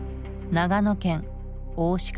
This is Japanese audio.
長野県大鹿村。